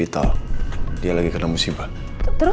kitaiyor yang menuju tak tiba tiba